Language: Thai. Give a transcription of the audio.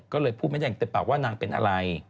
ก็เลยพูดแม่แดงแต่ปากว่านางเป็นอะไร